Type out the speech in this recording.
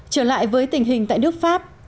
chuyện này có lẽ diễn ra tại nước pháp